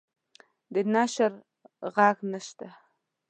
د نشریح ږغ نشته